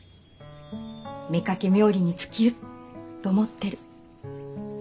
妾冥利に尽きると思ってる。